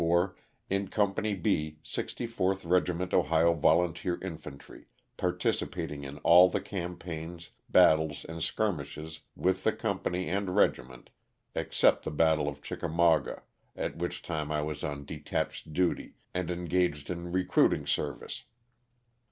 125 1864, in Company B, 64th Regiment Ohio Volunteer Infantry, participating in all the campaigns, battles and skirmishes, with the company and regiment, ex cept the battle of Chickamauga, at which time I was on detached duty and engaged in recruiting service.